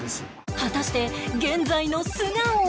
果たして現在の素顔は？